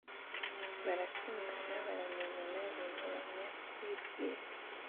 barakundana, baramenyana, bemeranya kubibwira